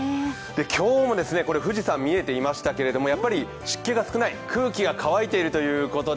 今日も富士山見えていましたけれども、湿気が少ない、空気が乾いているということで